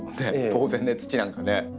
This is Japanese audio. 当然土なんかね。